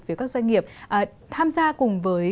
phía các doanh nghiệp tham gia cùng với